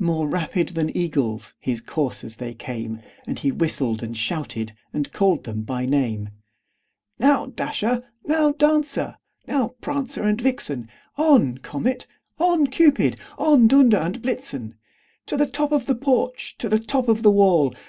More rapid than eagles his coursers they came, And he whistled, and shouted, and called them by name; "Now, Dasher! now, Dancer! now, Prancer and Vixen! On! Comet, on! Cupid, on! Dunder and Blitzen To the top of the porch, to the top of the wall!